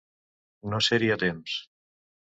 No ser-hi a temps.